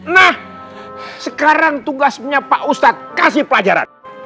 nah sekarang tugasnya pak ustadz kasih pelajaran